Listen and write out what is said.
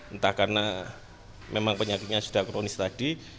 entah karena memang penyakitnya sudah kronis tadi